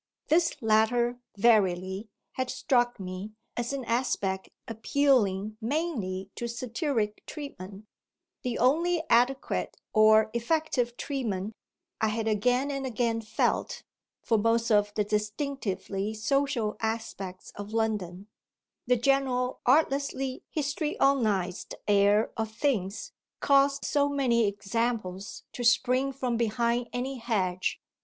This latter, verily, had struck me as an aspect appealing mainly to satiric treatment; the only adequate or effective treatment, I had again and again felt, for most of the distinctively social aspects of London: the general artlessly histrionised air of things caused so many examples to spring from behind any hedge.